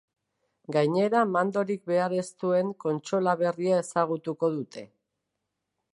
Gainera, mandorik behar ez duen kontsola berria ezagutuko dute.